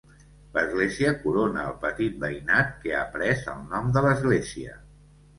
L'església corona el petit veïnat que ha pres el nom de l'església.